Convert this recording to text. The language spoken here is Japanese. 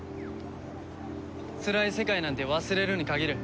つらい世界なんて忘れるに限る。